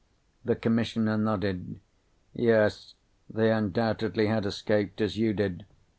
The Commissioner nodded. "Yes, they undoubtedly had escaped, as you did.